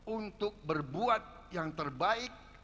untuk berbuat yang terbaik